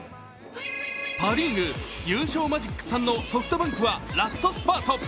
パ・リーグ優勝マジック３のソフトバンクはラストスパート。